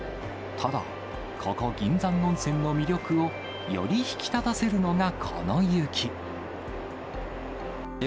ただ、ここ銀山温泉の魅力をより引き立たせるのがこの雪。